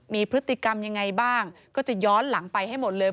มีพฤติกรรมยังไงบ้างก็จะย้อนหลังไปให้หมดเลย